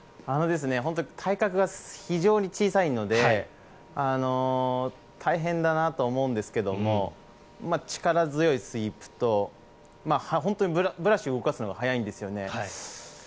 本当に体格が非常に小さいので大変だなと思うんですけども力強いスイープと本当にブラシを動かすのが速いんですよね。